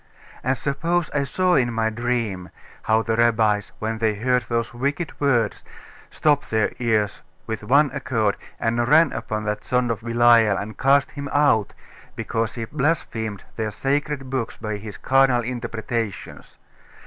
And suppose I saw in my dream how the rabbis, when they heard those wicked words, stopped their ears with one accord, and ran upon that son of Belial and cast him out, because he blasphemed their sacred books by his carnal interpretations.